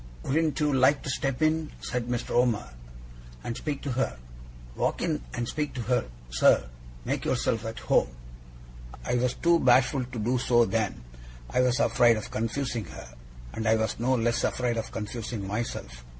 'Wouldn't you like to step in,' said Mr. Omer, 'and speak to her? Walk in and speak to her, sir! Make yourself at home!' I was too bashful to do so then I was afraid of confusing her, and I was no less afraid of confusing myself.